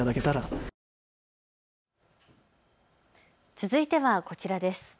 続いてはこちらです。